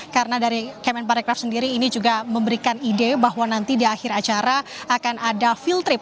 karena dari kemen parikraff sendiri ini juga memberikan ide bahwa nanti di akhir acara akan ada field trip